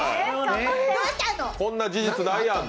こんな事実ないやん。